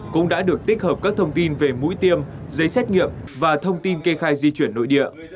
cũng đã được tích hợp các thông tin về mũi tiêm giấy xét nghiệm và thông tin kê khai di chuyển nội địa